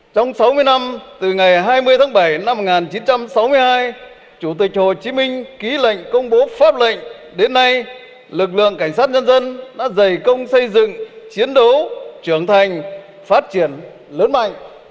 trong sáu mươi năm từ ngày hai mươi tháng bảy năm một nghìn chín trăm sáu mươi hai chủ tịch hồ chí minh ký lệnh công bố pháp lệnh đến nay lực lượng cảnh sát nhân dân đã dày công xây dựng chiến đấu trưởng thành phát triển lớn mạnh